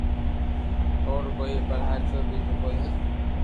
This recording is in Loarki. ڪوڙو ڪوئي پر ھاچو بي تو ڪوئي ني